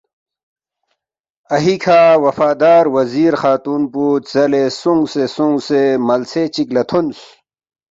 اَہیکھہ وفادار وزیر خاتون پو ژَلے سونگسے سونگسے ملسے چِک لہ تھونس